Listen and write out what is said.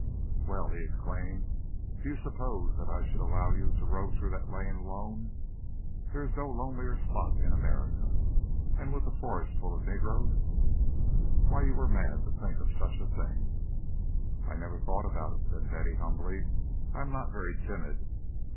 "Well!" he exclaimed. "Did you suppose that I should allow you to row through that lane alone? There is no lonelier spot in America; and with the forest full of negroes were you mad to think of such a thing?" "I never thought about it," said Betty, humbly. "I am not very timid."